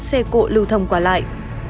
xe cộ lưu thầm quả lại